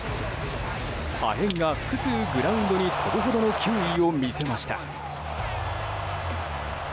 破片が複数、グラウンドに飛ぶほどの球威を見せました。